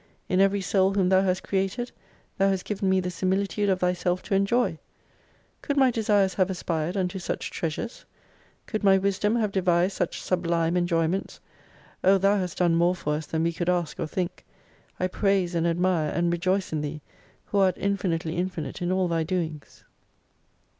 In every soul whom Thou hast created, Thou hast given me the Similitude of Thyself to enjoy ! Could my desires have aspired unto such treasures ? Could my wisdom have devised such sublime enjoyments ? Oh ! Thou hast done more for us than we could ask or think. I praise and admire, and rejoice in Thee : who art infinitely infinite in all Thy doings.